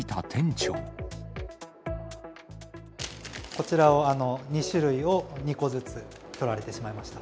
こちらを、２種類を２個ずつ、とられてしまいました。